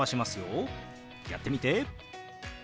やってみて。